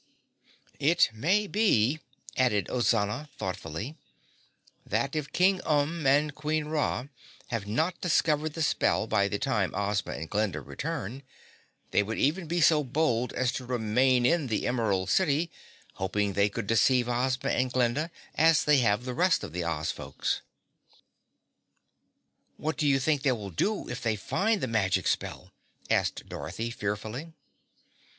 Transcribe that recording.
"It may be," added Ozana thoughtfully, "that if King Umb and Queen Ra have not discovered the spell by the time Ozma and Glinda return, they would even be so bold as to remain in the Emerald City, hoping they could deceive Ozma and Glinda as they have the rest of the Oz folks." "What do you think they will do if they find the magic spell?" asked Dorothy fearfully.